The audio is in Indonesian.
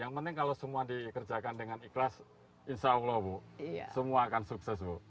yang penting kalau semua dikerjakan dengan ikhlas insya allah bu semua akan sukses bu